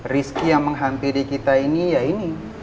rizki yang menghampiri kita ini ya ini